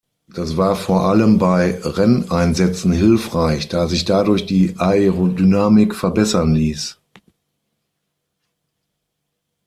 Das war vor allem bei Renneinsätzen hilfreich, da sich dadurch die Aerodynamik verbessern ließ.